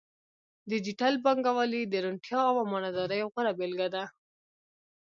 ډیجیټل بانکوالي د روڼتیا او امانتدارۍ غوره بیلګه ده.